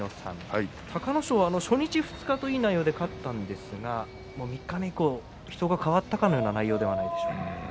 隆の勝は初日、二日といい内容で勝ったんですが三日目以降、人が変わったかのような内容ですね。